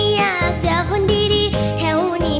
อยากเจอคนดีแถวนี้